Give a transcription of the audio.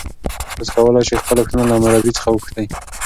تاسي کولای شئ خپله پوښتنه له مربی څخه وپوښتئ.